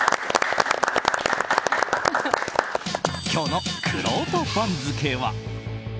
今日のくろうと番付は。